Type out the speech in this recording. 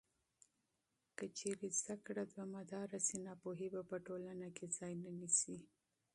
که چېرته زده کړه دوامداره شي، ناپوهي په ټولنه کې ځای نه نیسي.